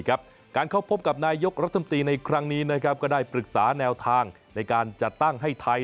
การเข้าพบกับนายกรัฐมนตรีในครั้งนี้ก็ได้ปรึกษาแนวทางในการจัดตั้งให้ไทย